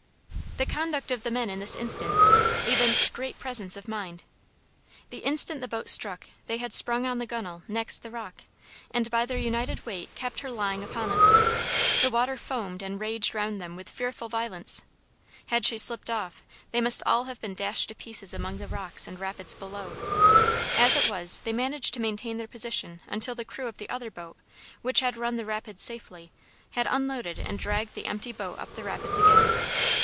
The conduct of the men in this instance, evinced great presence of mind. The instant the boat struck they had sprung on the gunwale next the rock, and by their united weight kept her lying upon it. The water foamed and raged round them with fearful violence. Had she slipped off, they must all have been dashed to pieces amongst the rocks and rapids below; as it was, they managed to maintain their position until the crew of the other boat, which had run the rapids safely, had unloaded and dragged the empty boat up the rapids again.